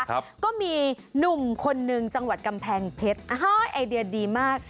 ก็มีหนุ่มคนหนึ่งจังหวัดกำแพงเพชรอ่าไอเดียดีมาก